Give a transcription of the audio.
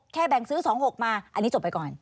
แบ่งซื้อ๒๖มาอันนี้จบไปก่อน